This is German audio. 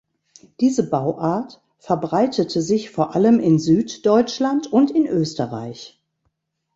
Diese Bauart verbreitete sich vor allem in Süddeutschland und in Österreich.